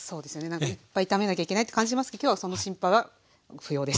なんかいっぱい炒めなきゃいけないって感じますけど今日はその心配は不要です。